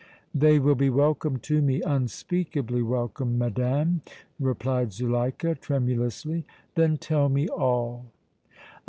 "They will be welcome to me, unspeakably welcome, madame," replied Zuleika, tremulously. "Then tell me all."